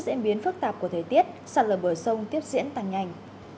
diễn biến phức tạp của thời tiết sạt lở bờ sông tiếp diễn tăng nhanh